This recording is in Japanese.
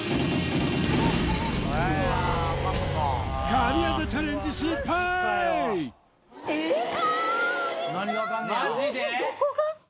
神業チャレンジ失敗えっ！？